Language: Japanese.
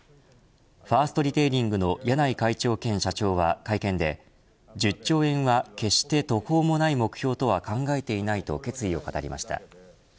ファーストリテイリングの柳井会長兼社長は、会見で１０兆円は決して途方もない目標とは考えていないと決意を語りました。